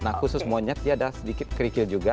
nah khusus monyet dia ada sedikit kerikil juga